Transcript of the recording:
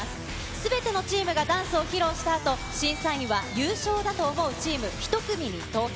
すべてのチームがダンスを披露したあと、審査員は優勝だと思うチーム１組に投票。